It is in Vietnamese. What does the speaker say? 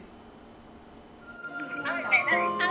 alo mẹ à mẹ có khỏe không